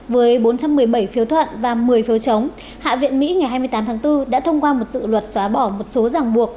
với bốn trăm một mươi bảy phiếu thuận và một mươi phiếu chống hạ viện mỹ ngày hai mươi tám tháng bốn đã thông qua một dự luật xóa bỏ một số giảng buộc